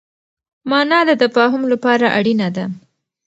مانا د تفاهم لپاره اړينه ده.